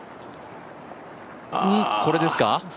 これですか？